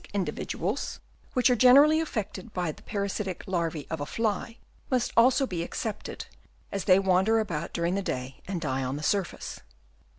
individuals, which are generally affected by the parasitic larvae of a fly, must also be ex cepted, as they wander about during* the day and die on the surface.